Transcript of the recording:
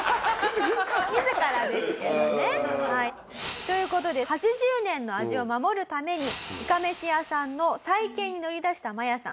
自らですけどね。という事で８０年の味を守るためにいかめし屋さんの再建に乗り出したマヤさん。